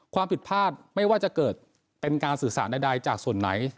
ความผิดพลาดไม่ว่าจะเกิดเป็นการสื่อสารใดจากส่วนไหน